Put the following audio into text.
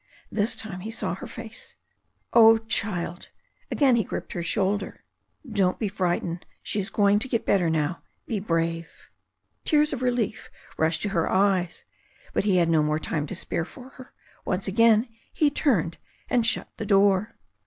This time he saw her face. "Oh, child." Again his hand gripped her shoulder. ^'Don't be frightened. She is going to get better now. Be l)rave." Tears of relief rushed to her eyes. But he had no more time to spare for her. Once again he turned and shut the door.